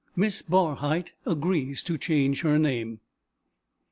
MISS BARHYTE AGREES TO CHANGE HER NAME.